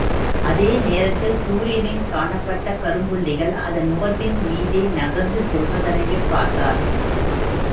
அதேநேரத்தில் சூரியனில் காணப்பட்ட கரும்புள்ளிகள் அதன் முகத்தின் மீதே நகர்ந்து செல்வதனையும் பார்த்தார்.